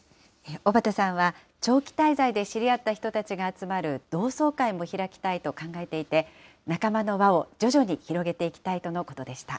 尾畑さんは、長期滞在で知り合った人たちが集まる同窓会も開きたいと考えていて、仲間の輪を徐々に広げていきたいとのことでした。